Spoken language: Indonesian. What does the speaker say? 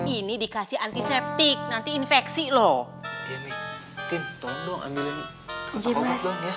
ini dikasih antiseptik nanti infeksi loh